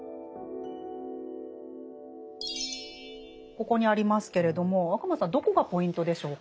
ここにありますけれども若松さんどこがポイントでしょうか？